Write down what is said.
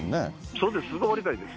そうです、すぐ終わりたいです。